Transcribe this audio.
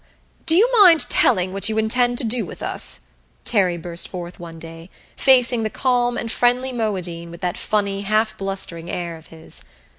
"Do you mind telling what you intend to do with us?" Terry burst forth one day, facing the calm and friendly Moadine with that funny half blustering air of his.